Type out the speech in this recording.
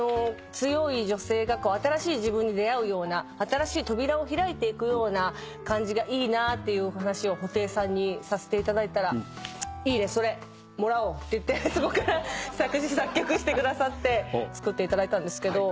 強い女性が新しい自分に出会うような新しい扉を開いていくような感じがいいなっていう話を布袋さんにさせていただいたら「いいねそれ。もらおう」ってそこから作詞作曲してくださって作っていただいたんですけど。